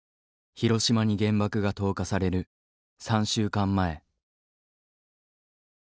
広島に原爆が投下される３週間前。